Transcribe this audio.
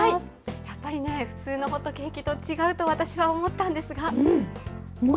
やっぱりね、普通のホットケーキと違うと私は思ったんですが。